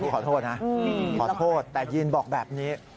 ขอโทษนะขอโทษแต่ยีนบอกแบบนี้